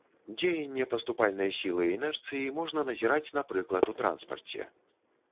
Дзеянне паступальнай сілы інерцыі можна назіраць, напрыклад, у транспарце.